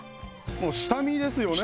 もう下見ですよね？